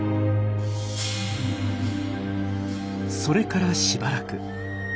それからしばらく。